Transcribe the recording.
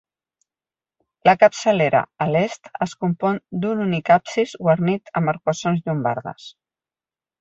La capçalera, a l'est, es compon d'un únic absis guarnit amb arcuacions llombardes.